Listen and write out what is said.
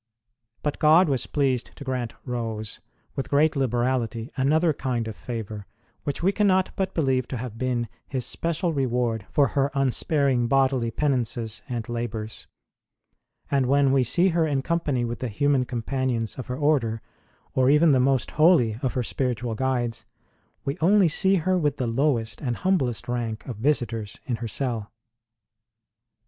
But God was pleased to grant Rose, with great liberality, another kind of favour, which we cannot but believe to have been His special reward for her unsparing bodily penances and labours; and when we see her in company with the human companions of her Order, or even the most holy of her spiritual guides, we only see her with the lowest and humblest rank of visitors in her cell.